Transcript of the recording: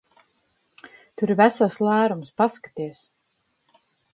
Tur ir vesels lērums. Paskaties!